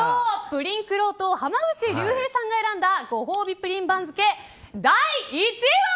プリンくろうと濱口竜平さんが選んだご褒美プリン番付、第１位は。